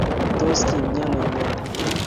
Tos kimiano inendet?